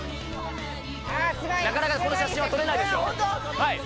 なかなかこの写真は撮れない本当。